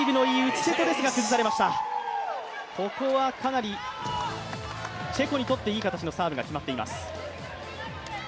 ここはかなりチェコにとっていい形のサーブが決まっています。